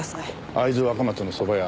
会津若松のそば屋